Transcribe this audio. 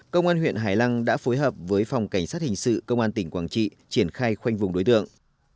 công an huyện hải lăng đã phối hợp với phòng cảnh sát hình sự công an tỉnh quảng trị triển khai khoanh vùng đối tượng